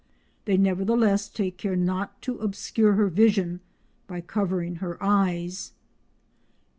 They nevertheless take care not to obscure her vision by covering her eyes.